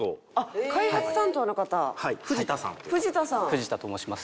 藤田と申します。